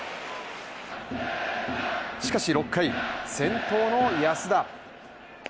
しかし、６回、先頭の安田。